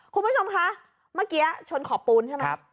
คุณผู้ชมคะเมื่อกี้ชนขอบปูนใช่ไหม